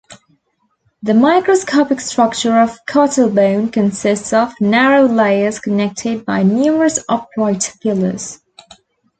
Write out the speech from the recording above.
The microscopic structure of cuttlebone consists of narrow layers connected by numerous upright pillars.